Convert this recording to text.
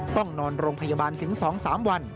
ต้องนอนโรงพยาบาลถึง๒๓วัน